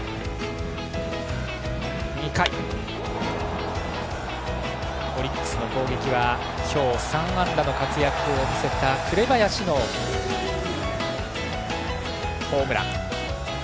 ２回、オリックスの攻撃は今日３安打の活躍を見せた紅林のホームラン。